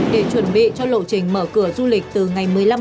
để chuẩn bị cho lộ trình mở cửa du lịch từ ngày một đến ngày hai